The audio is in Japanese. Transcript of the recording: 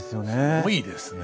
すごいですね。